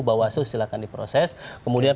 bawah suhu silahkan diproses kemudian